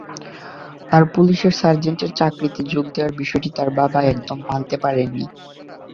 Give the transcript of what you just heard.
তাঁর পুলিশের সার্জেন্টের চাকরিতে যোগ দেওয়ার বিষয়টি তাঁর বাবা একদম মানতে পারেননি।